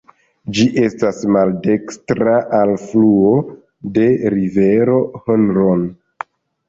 Ĝi estas maldekstra alfluo de rivero Hron.